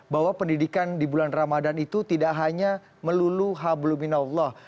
bahwa pendidikan di bulan ramadan itu tidak hanya melulu habluminallah